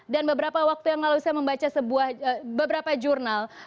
dan beberapa waktu yang lalu saya membaca sebuah beberapa jurnal